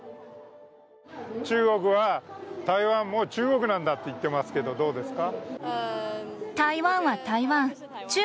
中国は台湾も中国なんだと言っていますけれども、どうですか？